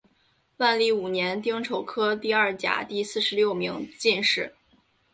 万历五年丁丑科第二甲第四十六名进士。